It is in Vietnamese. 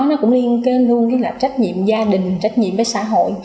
nó cũng liên kênh luôn với trách nhiệm gia đình trách nhiệm với xã hội